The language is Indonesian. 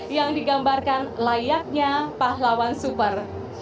yang digambarkan layaknya pahlawan super